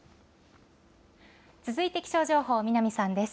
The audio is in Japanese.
続いて気象情報、南さんです。